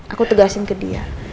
aku tegasin ke dia